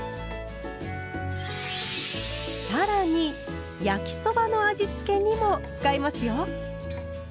更に焼きそばの味付けにも使えますよ。